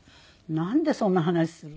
なんでそんな話するの？